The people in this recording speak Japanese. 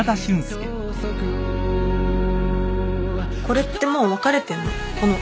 これってもう別れてんの？